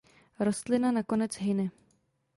Rostlina nakonec hyne.